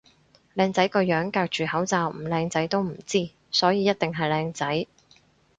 靚仔個樣隔住口罩唔靚仔都唔知，所以一定係靚仔